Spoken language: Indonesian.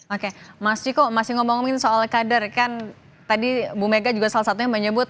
oke mas ciko masih ngomongin soal kader kan tadi bu mega juga salah satunya menyebut